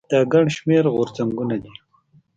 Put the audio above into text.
دا ګڼ شمېر غورځنګونه دي.